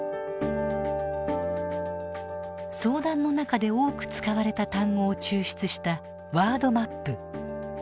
相談の中で多く使われた単語を抽出したワードマップ。